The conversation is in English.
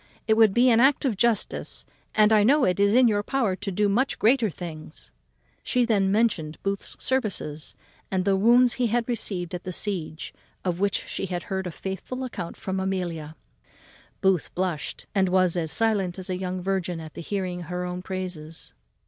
It would be an act of justice, and I know it is in your power to do much greater things." She then mentioned Booth's services, and the wounds he had received at the siege, of which she had heard a faithful account from Amelia. Booth blushed, and was as silent as a young virgin at the hearing her own praises.